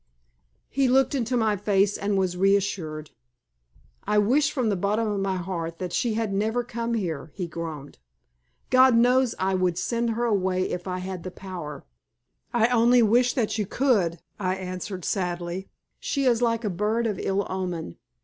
He looked into my face and was reassured. "I wish from the bottom of my heart that she had never come here," he groaned. "God knows I would send her away if I had the power." "I only wish that you could," I answered, sadly. "She is like a bird of ill omen.